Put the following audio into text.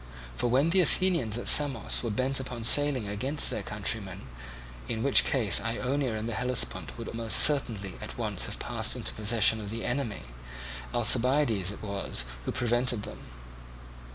For when the Athenians at Samos were bent upon sailing against their countrymen, in which case Ionia and the Hellespont would most certainly at once have passed into possession of the enemy, Alcibiades it was who prevented them.